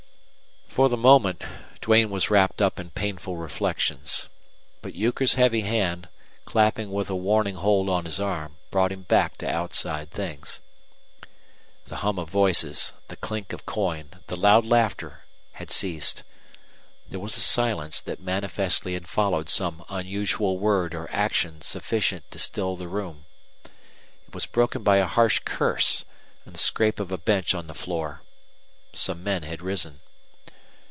For the moment Duane was wrapped up in painful reflections; but Euchre's heavy hand, clapping with a warning hold on his arm, brought him back to outside things. The hum of voices, the clink of coin, the loud laughter had ceased. There was a silence that manifestly had followed some unusual word or action sufficient to still the room. It was broken by a harsh curse and the scrape of a bench on the floor. Some man had risen.